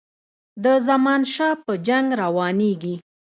د زمانشاه په جنګ روانیږي.